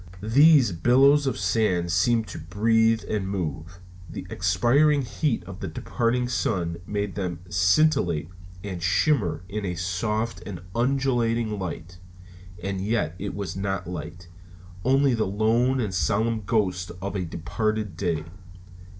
These billows of sand seemed to breathe and move. The expiring heat of the departed sun made them scintillate and shimmer in a soft and undulating light. And yet it was not light; only the lone and solemn ghost of a departed day.